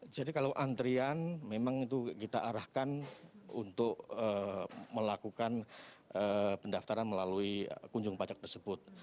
jadi kalau antrian memang itu kita arahkan untuk melakukan pendaftaran melalui kunjung pajak tersebut